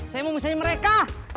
saya mau misahin mereka